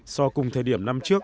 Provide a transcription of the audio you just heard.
so cùng thời điểm năm trước